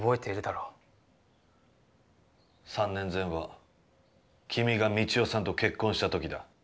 「三年前は君が三千代さんと結婚した時だ」。